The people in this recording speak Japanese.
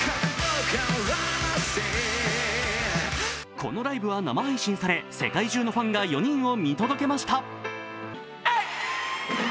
このライブは生配信され世界中のファンが４人を見届けました。